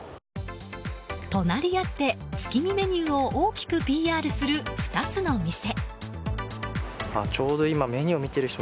隣り合って月見メニューを大きくＰＲする２つの店。